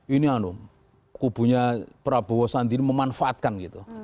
ini anu kubunya prabowo sandi ini memanfaatkan gitu